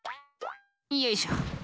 よいしょ。